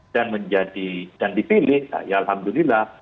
dan dipilih ya alhamdulillah